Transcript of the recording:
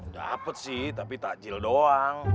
dapat sih tapi takjil doang